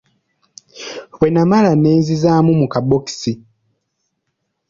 Bwennamala ne nzizzaamu mu kabokisi.